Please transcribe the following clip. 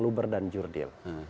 luber dan jurdil